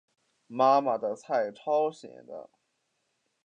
妈妈的菜超咸的